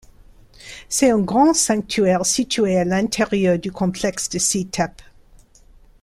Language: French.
C'est un grand sanctuaire situé à l’intérieur du complexe de Si Thep.